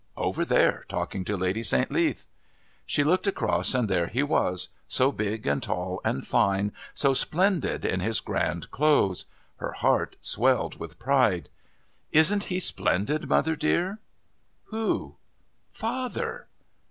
"Over there, talking to Lady St. Leath." She looked across, and there he was, so big and tall and fine, so splendid in his grand clothes. Her heart swelled with pride. "Isn't he splendid, mother, dear?" "Who?" "Father!"